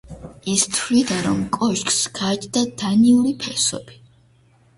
ის თვლიდა, რომ კოშკს გააჩნდა დანიური ფესვები.